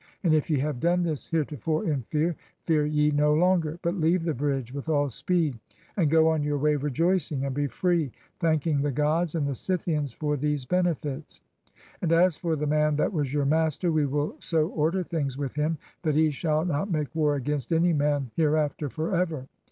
And if ye have done this heretofore in fear, fear ye no longer; but leave the bridge with all speed, and go on your way rejoicing, and be free, thanking the Gods and the Scythians for these benefits. And as for the man that was your master, we will so order things with him that he shall not make war against any man hereafter forever."